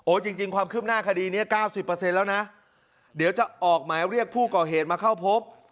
จริงความคืบหน้าคดีนี้๙๐แล้วนะเดี๋ยวจะออกหมายเรียกผู้ก่อเหตุมาเข้าพบ